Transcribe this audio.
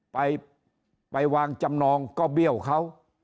ไปไปวางจำนองก็เบี้ยวเขา